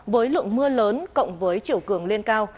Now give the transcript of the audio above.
với lượng mưa lớn cộng với chiều cường lên cao